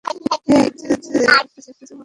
হেই, এমজেকে একটা চুমু খাও না।